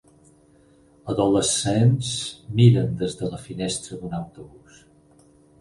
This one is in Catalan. Adolescents miren des de la finestra d'un autobús